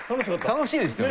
楽しいですよね？